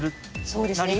そうですね